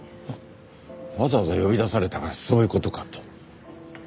わざわざ呼び出されたのはそういう事かと。